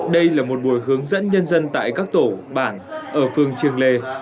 đây là một buổi hướng dẫn nhân dân tại các tổ bản ở phường triềng lề